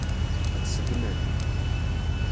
Ad tt-seggmen?